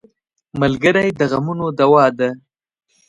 ملګری د غمونو دوا ده.